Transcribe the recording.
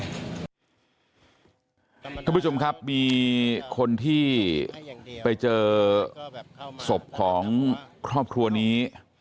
คุณผู้ชมครับมีคนที่ไปเจอศพของครอบครัวนี้